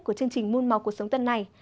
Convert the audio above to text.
của chương trình môn màu cuộc sống tân này